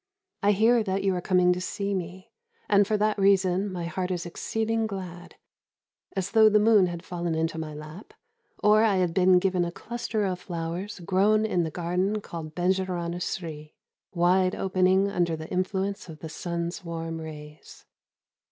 I hear that you are coming to see me, and for that reason my heart is exceeding glad, as though the moon had fallen into my lap, or I had been given a cluster of flowers grown in the garden called Bĕnjerâna Sri, wide opening under the influence of the sun's warm rays.